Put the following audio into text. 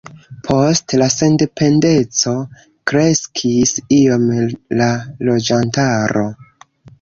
Post la sendependeco kreskis iom la loĝantaro.